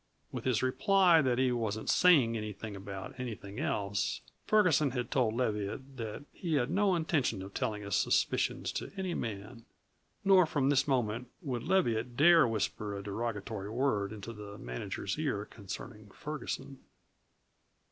With his reply that he wasn't "sayin' anything about anything else," Ferguson had told Leviatt that he had no intention of telling his suspicions to any man. Nor from this moment would Leviatt dare whisper a derogatory word into the manager's ear concerning Ferguson.